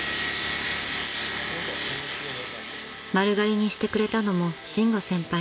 ［丸刈りにしてくれたのも伸吾先輩］